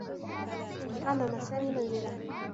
رمّم سامي منزله.